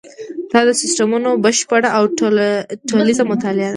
دا د سیسټمونو بشپړه او ټولیزه مطالعه ده.